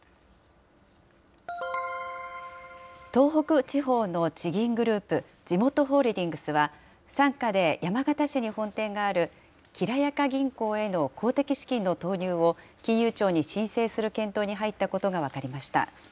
東北地方の地銀グループ、じもとホールディングスは、傘下で山形市に本店があるきらやか銀行への公的資金の投入を、金融庁に申請する検討に入ったことが分かりました。